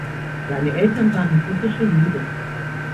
Seine Eltern waren russische Juden.